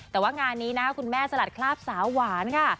แต่ว่างานนี้นะคุณแม่สลัดคราบสาวหวานค่ะ